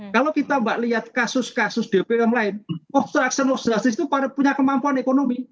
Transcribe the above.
kalau kita mbak lihat kasus kasus dpo yang lain obstruction of justice itu punya kemampuan ekonomi